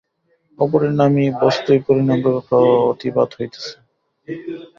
অপরিণামী বস্তুই পরিণামরূপে প্রতিভাত হইতেছে।